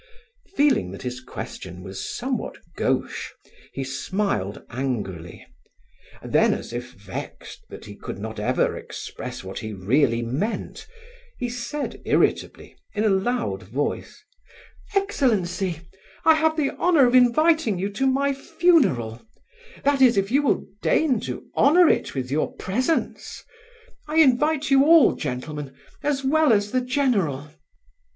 Feeling that his question was somewhat gauche, he smiled angrily. Then as if vexed that he could not ever express what he really meant, he said irritably, in a loud voice: "Excellency, I have the honour of inviting you to my funeral; that is, if you will deign to honour it with your presence. I invite you all, gentlemen, as well as the general."